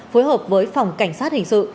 phối hợp với phòng cảnh sát hình sự